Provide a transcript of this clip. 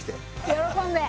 喜んで。